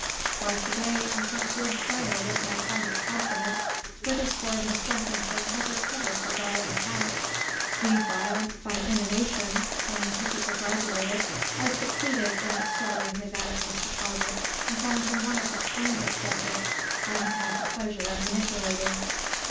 Twice a day, I sent to inquire, with my kindest compliments, whether poor Miss Jenkinson had recovered her darling cat. Meanwhile, by inanition scientifically graduated, I succeeded in absorbing his adipose deposit, and found him one of the kindest subjects I have had the pleasure of manipulating.